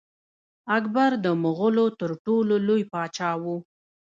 اکبر د مغولو تر ټولو لوی پاچا و.